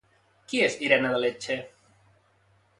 Qui és Irene de Lecce?